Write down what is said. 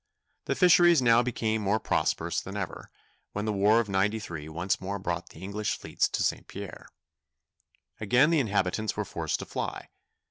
The fisheries now became more prosperous than ever, when the war of '93 once more brought the English fleets to St. Pierre. Again the inhabitants were forced to fly.